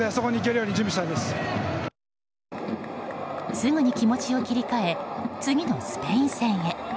すぐに気持ちを切り替え次のスペイン戦へ。